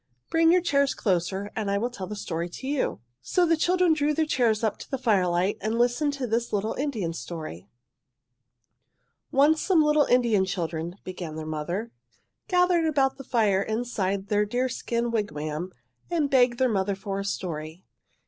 "Bring your chairs closer and I will tell the story to you." So the children drew their chairs up into the firelight, and listened to this little Indian story: "Once some little Indian children," began the mother, "gathered about the fire inside their deerskin wigwam and begged their mother for a story.